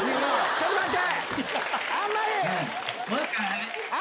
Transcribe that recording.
ちょっと待って。